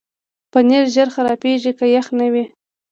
پنېر ژر خرابېږي که یخ نه وي.